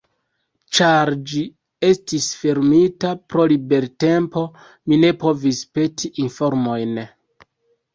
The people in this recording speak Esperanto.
Ĉar ĝi estis fermita pro libertempo, mi ne povis peti informojn.